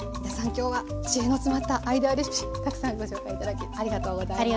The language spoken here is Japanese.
今日は知恵の詰まったアイデアレシピたくさんご紹介頂きありがとうございました。